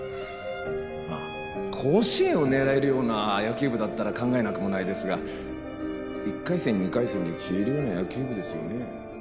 まあ甲子園を狙えるような野球部だったら考えなくもないですが１回戦２回戦で消えるような野球部ですよね。